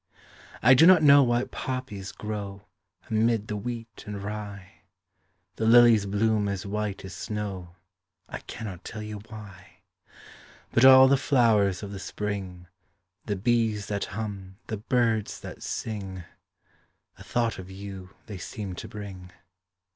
I do not know why poppies grow, Amid the wheat and rye, The lillies bloom as white as snow, I cannot tell you why. But all the flowers of the spring, The bees that hum, the birds that sing, A thought of you they seem to bring.